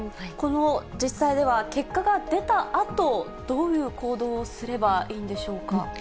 この実際では、結果が出たあと、どういう行動をすればいいんでしょうか。